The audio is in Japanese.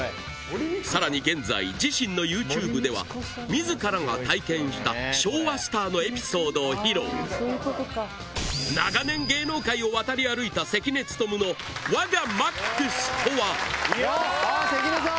さらに現在自身のＹｏｕＴｕｂｅでは自らが体験した昭和スターのエピソードを披露長年芸能界を渡り歩いた関根さん！